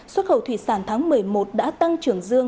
xuất khẩu thủy sản tháng một mươi một đã tăng trưởng dương